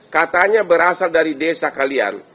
katanya berasal dari desa kalian